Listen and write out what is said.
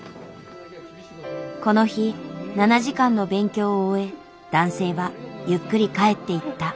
この日７時間の勉強を終え男性はゆっくり帰っていった。